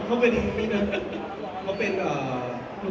เสียงปลดมือจังกัน